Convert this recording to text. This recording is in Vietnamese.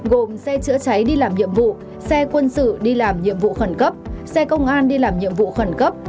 gồm xe chữa cháy đi làm nhiệm vụ xe quân sự đi làm nhiệm vụ khẩn cấp xe công an đi làm nhiệm vụ khẩn cấp